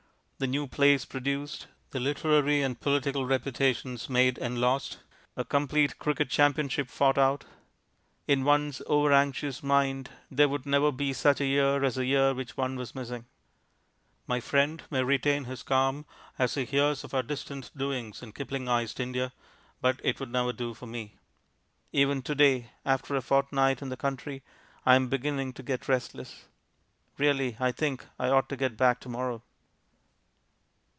The new plays produced, the literary and political reputations made and lost, a complete cricket championship fought out; in one's over anxious mind there would never be such a year as the year which one was missing. My friend may retain his calm as he hears of our distant doings in Kiplingized India, but it would never do for me. Even to day, after a fortnight in the country, I am beginning to get restless. Really, I think I ought to get back to morrow.